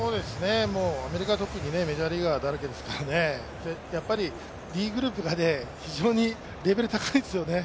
アメリカは特にメジャーリーガーだらけですからやっぱりＤグループが非常にレベルが高いですよね。